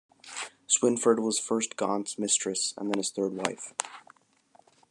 Swynford was first Gaunt's mistress, and then his third wife.